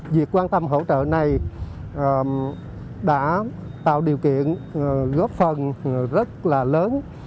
việc quan tâm hỗ trợ này đã tạo điều kiện góp phần rất là lớn